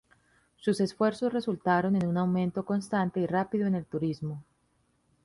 Sus esfuerzos resultaron en un aumento constante y rápido en el turismo.